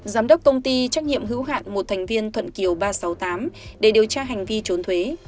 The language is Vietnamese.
giám đốc công ty trách nhiệm hữu hạn một thành viên thuận kiều ba trăm sáu mươi tám để điều tra hành vi trốn thuế